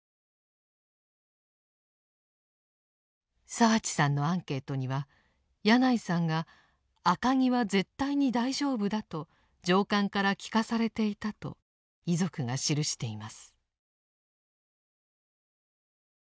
澤地さんのアンケートには矢内さんが「赤城は絶対に大丈夫だ」と上官から聞かされていたと遺族が記しています。